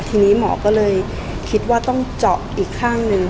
ทีนี้หมอก็เลยคิดว่าต้องเจาะอีกข้างหนึ่ง